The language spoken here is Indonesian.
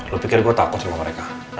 lo pikir gue takut sama mereka